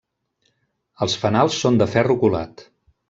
Els fanals són de ferro colat.